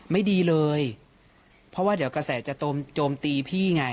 ไม่ดีเลยเพราะว่าเดี๋ยวกระแสจะโจมตีพี่ไง